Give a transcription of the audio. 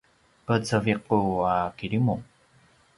peceviqu a kirimu